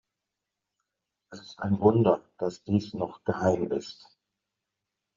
Es ist ein Wunder, dass dies noch geheim ist.